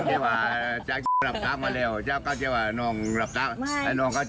พวกเราต้องฟัง